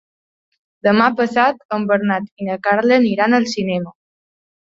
Demà passat en Bernat i na Carla aniran al cinema.